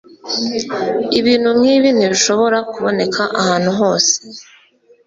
Ibintu nkibi ntibishobora kuboneka ahantu hose.